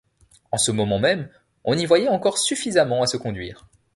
En ce moment même, on y voyait encore suffisamment à se conduire.